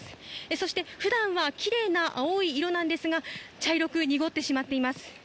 そして、普段はきれいな青い色なんですが茶色く濁ってしまっています。